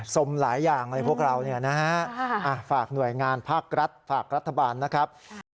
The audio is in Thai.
สมหลายอย่างเลยพวกเราเนี่ยนะฮะฝากหน่วยงานภาครัฐฝากรัฐบาลนะครับ